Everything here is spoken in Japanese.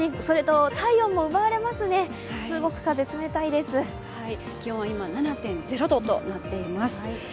それと体温も奪われますね、気温は今、７．０度となっています。